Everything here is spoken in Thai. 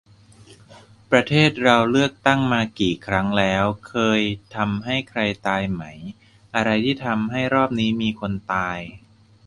ประเทศเราเลือกตั้งมากี่ครั้งแล้ว เคยทำให้ใครตายไหม ? อะไรที่ทำให้รอบนี้มีคนตาย ?